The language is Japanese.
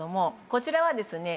こちらはですね